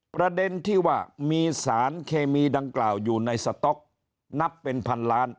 ประเด็นที่ว่ามีสารเคมีดังกล่าวอยู่ในสต๊อกนับเป็นพันล้าน